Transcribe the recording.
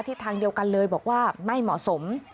ทางเดียวกันเลยบอกว่าไม่เหมาะสม